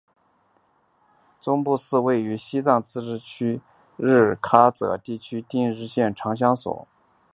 宗布寺是位于西藏自治区日喀则地区定日县长所乡强噶村的一座藏传佛教女尼的寺院。